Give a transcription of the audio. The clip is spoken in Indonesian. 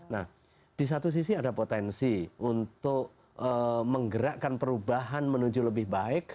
nah di satu sisi ada potensi untuk menggerakkan perubahan menuju lebih baik